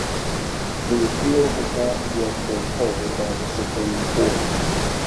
The appeal has not yet been heard by the Supreme Court.